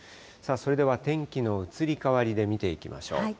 それでは天気の移り変わりで見ていきましょう。